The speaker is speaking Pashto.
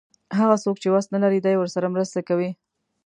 هغه څوک چې وس نه لري دی ورسره مرسته کوي.